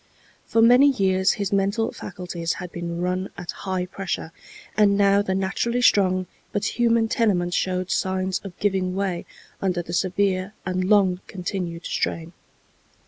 For many years his mental faculties had been run at high pressure, and now the naturally strong but human tenement showed signs of giving way under the severe and long continued strain.